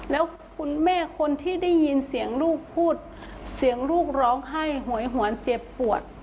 แล้วคุณแม่คนที่ได้ยินเสียงลูกพูดเสียงลูกร้องไห้หวยหวนเจ็บปวด